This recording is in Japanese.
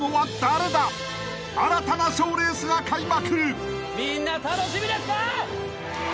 ［新たな賞レースが開幕］